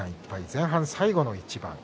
前半、最後の一番。